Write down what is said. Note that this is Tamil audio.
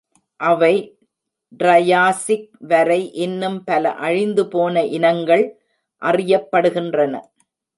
அவை ட்ரயாசிக் வரை இன்னும் பல அழிந்துபோன இனங்கள் அறியப்படுகின்றன.